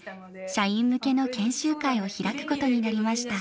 社員向けの研修会を開くことになりました。